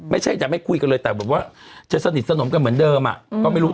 ไม่ใช่จะไม่คุยกันเลยแต่แบบว่าจะสนิทสนมกันเหมือนเดิมอ่ะก็ไม่รู้